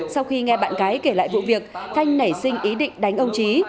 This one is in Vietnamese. sau khi nghe bạn cái kể lại vụ việc thanh nảy sinh ý định đánh ông trí